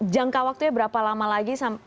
jangka waktunya berapa lama lagi